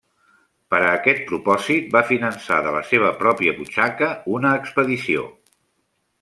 Per a aquest propòsit va finançar de la seva pròpia butxaca una expedició.